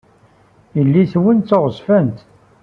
Yelli-twen d taɣezfant.